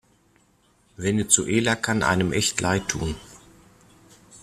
Venezuela kann einem echt leid tun.